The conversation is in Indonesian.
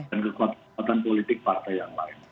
dan kekuatan politik partai yang lain